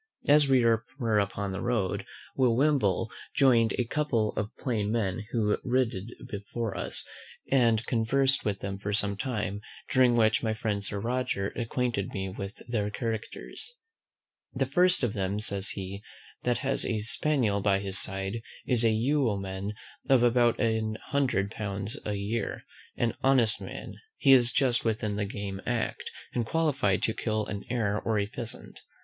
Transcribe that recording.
As we were upon the road, Will Wimble join'd a couple of plain men who rid before us, and conversed with them for some time; during which my friend Sir Roger acquainted me with their characters. The first of them, says he, that has a spaniel by his side, is a yeoman of about an hundred pounds a year, an honest man: he is just within the game act, and qualified to kill an hare or a pheasant.